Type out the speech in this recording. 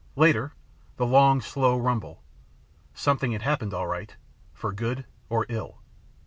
Later, the long slow rumble. Something had happened, all right, for good or ill."